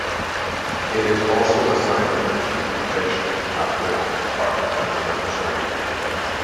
It is also a sign of acute rejection after heart transplant surgery.